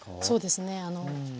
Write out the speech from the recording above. そうですね